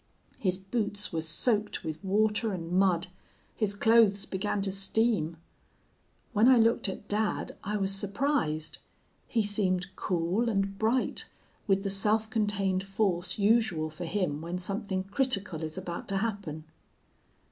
His boots were soaked with water and mud. His clothes began to steam. "When I looked at dad I was surprised. He seemed cool and bright, with the self contained force usual for him when something critical is about to happen.